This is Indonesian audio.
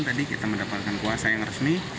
tadi kita mendapatkan kuasa yang resmi